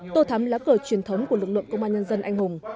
tô thắm lá cờ truyền thống của lực lượng công an nhân dân anh hùng